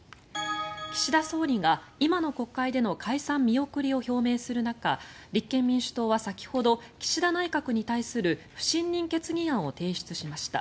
岸田総理が今の国会での解散見送りを表明する中立憲民主党は先ほど、岸田内閣に対する不信任決議案を提出しました。